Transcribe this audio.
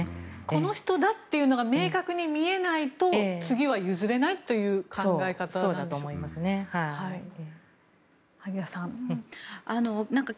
この人だというのが明確に見えないと次は譲れないという考え方なんでしょうか。